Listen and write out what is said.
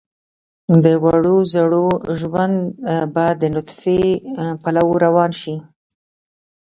د وړو زړو ژوند به د نطفې پلو روان شي.